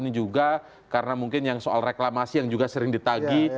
ini juga karena mungkin yang soal reklamasi yang juga sering ditagi